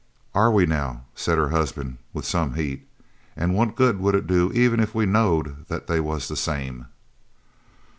"Are we now?" said her husband with some heat. "An' what good would it do even if we knowed that they was the same?"